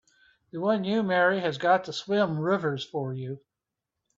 The one you marry has got to swim rivers for you!